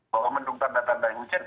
bahwa mendung tanda tanda yang hujan